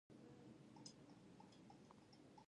د پل خشتي جومات په کابل کې دی